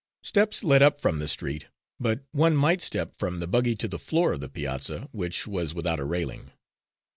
Steps led up from the street, but one might step from the buggy to the floor of the piazza, which was without a railing.